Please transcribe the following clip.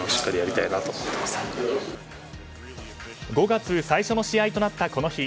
５月最初の試合となったこの日。